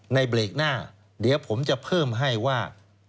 เบรกหน้าเดี๋ยวผมจะเพิ่มให้ว่า